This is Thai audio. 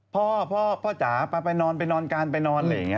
พอพอจ๋าไปนอนการไปนอนไว้อย่างเงี้ย